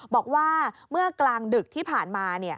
บอกว่าเมื่อกลางดึกที่ผ่านมา